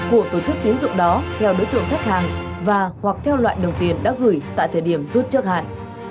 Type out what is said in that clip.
của tổ chức tiến dụng đó theo đối tượng khách hàng và hoặc theo loại đồng tiền đã gửi tại thời điểm rút trước hạn